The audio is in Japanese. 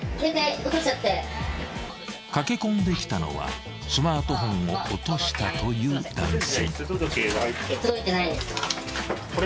［駆け込んできたのはスマートフォンを落としたという男性］